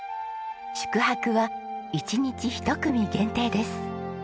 宿泊は一日１組限定です。